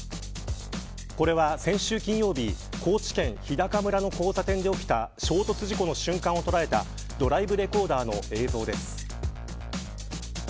これは、先週金曜日高知県日高村の交差点で起きた衝突事故の瞬間を捉えたドライブレコーダーの映像です。